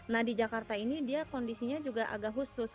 nah di jakarta ini dia kondisinya juga agak khusus